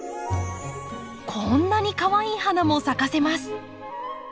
こんなにかわいい花も咲かせます。